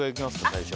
最初。